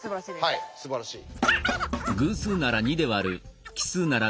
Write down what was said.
はいすばらしい。